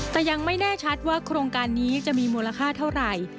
แต่ยังไม่แน่ชัดว่าโครงการนี้จะมีมูลค่าเท่าไหร่